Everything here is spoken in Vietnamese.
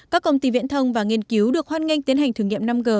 các công ty viễn thông và nghiên cứu được hoan nghênh tiến hành thử nghiệm năm g